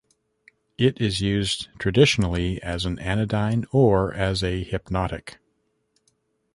It is used traditionally as an anodyne or as a hypnotic.